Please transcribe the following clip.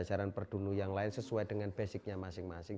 pembelajaran perdunuh yang lain sesuai dengan basicnya masing masing